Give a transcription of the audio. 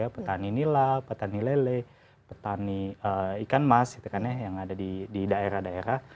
petani nila petani lele petani ikan mas yang ada di daerah daerah